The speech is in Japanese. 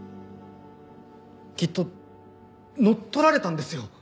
きっと乗っ取られたんですよ。